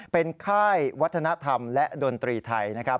เป็นค่ายวัฒนธรรมและดนตรีไทยนะครับ